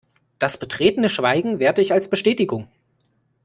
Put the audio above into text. Das betretene Schweigen werte ich als Bestätigung.